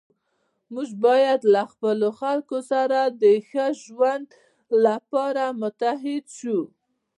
موږ باید له خپلو خلکو سره د ښه ژوند لپاره متحد شو.